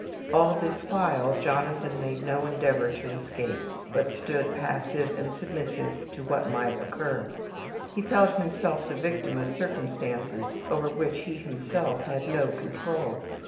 All this while Jonathan made no endeavor to escape, but stood passive and submissive to what might occur. He felt himself the victim of circumstances over which he himself had no control.